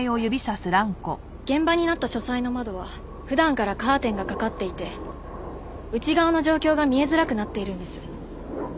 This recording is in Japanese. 現場になった書斎の窓は普段からカーテンが掛かっていて内側の状況が見えづらくなっているんです。